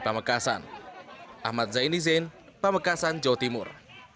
pamekasan ahmad zaini zain pamekasan jawa timur